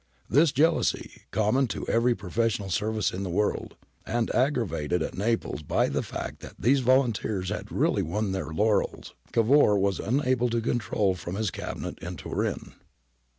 This jealousy, common to every professional service in the world, and aggravated at Naples by the fact that these volunteers had really won their laurels, Cavour was unable to control from his cabinet in Turin.